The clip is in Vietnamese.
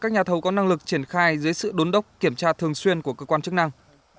các nhà thầu có năng lực triển khai dưới sự đốn đốc kiểm tra thường xuyên của cơ quan chức năng